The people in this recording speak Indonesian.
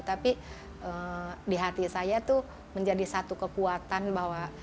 tapi di hati saya itu menjadi satu kekuatan bahwa